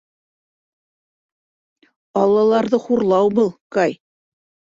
Аллаларҙы хурлау был, Кай.